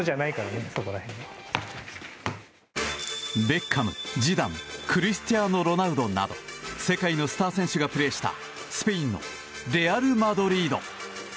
ベッカム、ジダンクリスティアーノ・ロナウドなど世界のスター選手がプレーしたスペインのレアル・マドリード。